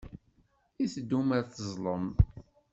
I teddum ad teẓẓlem?